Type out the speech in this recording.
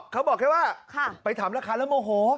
เขาบอกแค่ว่าไปถามราคาแล้วโมโห